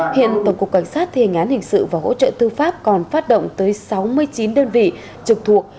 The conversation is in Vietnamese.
hiện tổng cục cảnh sát thề ngán hình sự và hỗ trợ thương pháp còn phát động tới sáu mươi chín đơn vị trực thuộc